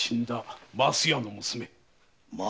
升屋の娘？